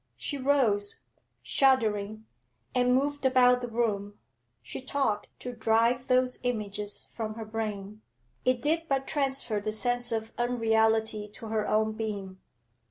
She rose, shuddering, and moved about the room; she talked to drive those images from her brain. It did but transfer the sense of unreality to her own being.